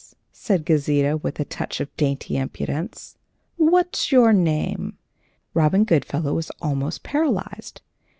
said Gauzita, with a touch of dainty impudence. "What's your name?" Robin Goodfellow was almost paralyzed.